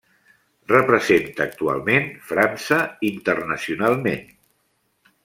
Representa actualment França internacionalment.